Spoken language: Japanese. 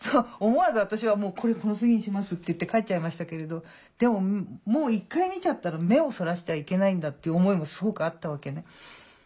思わず私はもう「これこの次にします」って言って帰っちゃいましたけれどでももう一回見ちゃったら目をそらしてはいけないんだっていう思いもすごくあったわけね。